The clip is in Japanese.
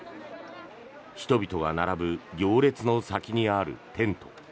人々が並ぶ行列の先にあるテント。